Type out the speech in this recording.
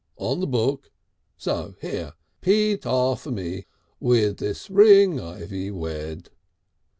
On the book. So! Here! Pete arf me, 'withis ring Ivy wed.'"